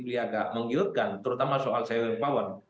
meliaga menggiurkan terutama soal sharing power